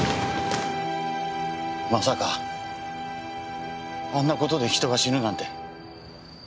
まさかあんな事で人が死ぬなんて。